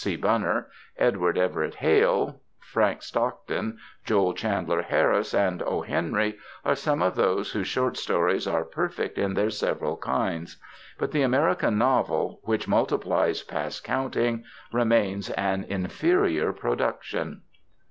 C. Bunner, Edward Everett Hale, Frank Stockton, Joel Chandler Harris, and "O. Henry" are some of those whose short stories are perfect in their several kinds. But the American novel, which multiplies past counting, remains an inferior production.